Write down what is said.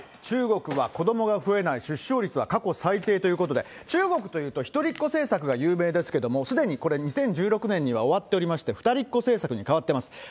中国は子どもが増えない、出生率は過去最低ということで、中国というと、一人っ子政策が有名ですけれども、すでにこれ、２０１６年には終わっておりまして、二人っ子政策に変わってます。